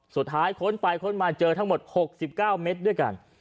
ค้นไปค้นมาเจอทั้งหมด๖๙เมตรด้วยกัน